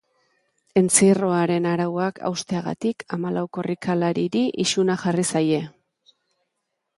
Entzierroaren arauak hausteagatik hamalau korrikalariri isuna jarri zaie.